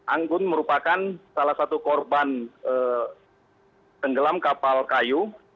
anggun merupakan salah satu korban tenggelam kapal kayu